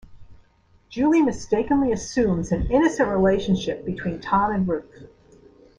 Julie mistakenly assumes an innocent relationship between Tom and Ruth.